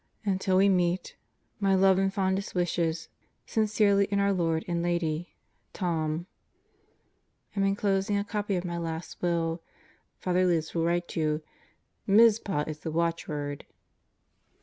Until we meet My love and fondest wishes, Sincerely in our Lord and Lady, Tom. Am enclosing a copy of my Last Will. Father Libs will write you. "Mizpah" is the watchword.